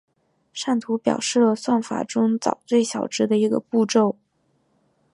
上图表示了算法中找最小值的一个步骤。